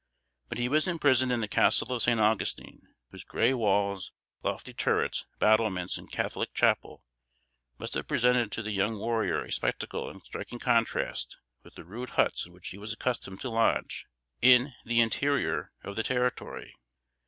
But he was imprisoned in the Castle of San Augustine, whose gray walls, lofty turrets, battlements and Catholic chapel, must have presented to the young warrior a spectacle in striking contrast with the rude huts in which he was accustomed to lodge, in the interior of the Territory.